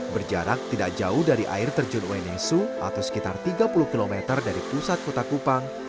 berjarak tidak jauh dari air terjun uenesu atau sekitar tiga puluh km dari pusat kota kupang